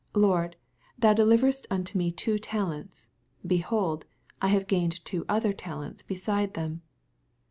Lord, thou deliveredst unto me two talents : be hold. I have gained two other talenta beside them.